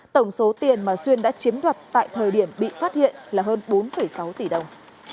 tổng số tiền mà xuyên đã chiếm đoạt tại thời điểm bị phát hiện là hơn bốn sáu tỷ đồng